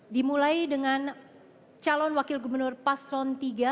dimulai dengan calon wakil gubernur paslon tiga